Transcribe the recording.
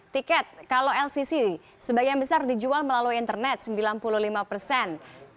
tiket kalau lcc sebagian besar dijual melalui internet sembilan puluh lima persen